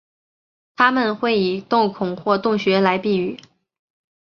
它们会以树孔或洞穴来避雨。